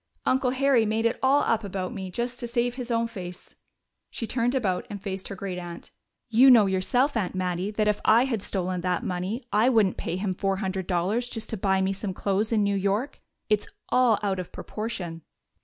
"Uncle Harry made it all up about me just to save his own face." She turned about and faced her great aunt. "You know yourself, Aunt Mattie, that if I had stolen that money I wouldn't pay him four hundred dollars just to buy me some clothes in New York. It's all out of proportion."